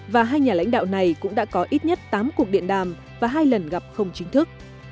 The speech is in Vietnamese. và hai nhà lãnh đạo này cũng đã có ít nhất tám cuộc điện đàm và hai lần gặp không chính thức